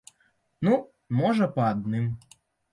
Ну, можа, па адным.